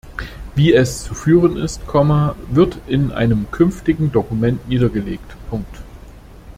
Wie es zu führen ist, wird in einem künftigen Dokument niedergelegt.